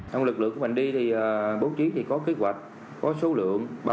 trong lực lượng của mình đi thì bố trí thì có kế hoạch có số lượng